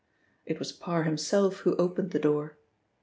It was Parr himself who opened the door.